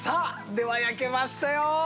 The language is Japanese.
では焼けましたよ。